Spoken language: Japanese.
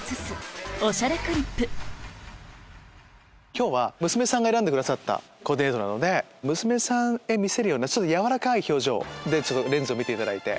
今日は娘さんが選んでくださったコーディネートなので娘さんへ見せるような柔らかい表情でレンズを見ていただいて。